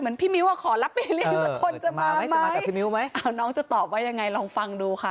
เหมือนพี่มิ้วอะขอรับไปเรียกสักคนจะมาไหมน้องจะตอบไว้ยังไงลองฟังดูค่ะ